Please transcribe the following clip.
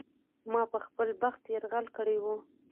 ما په خپل بخت یرغل کړی و.